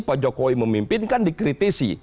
pak jokowi memimpinkan dikritisi